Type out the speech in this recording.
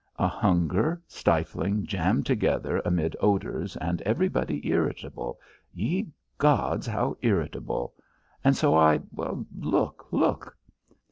A hunger, stifling, jammed together amid odours, and everybody irritable ye gods, how irritable! And so I Look! look!"